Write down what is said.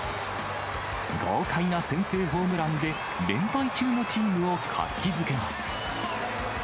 豪快な先制ホームランで、連敗中のチームを活気づけます。